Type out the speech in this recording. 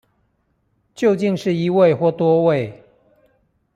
究竟是一位或多位